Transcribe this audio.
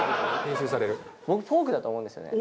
僕フォークだと思うんですよね。